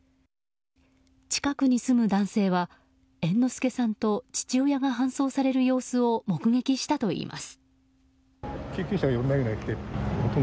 近くに住む男性は、猿之助さんと父親が搬送される様子を目撃したといいます。